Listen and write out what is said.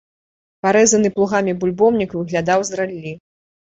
Парэзаны плугамі бульбоўнік выглядаў з раллі.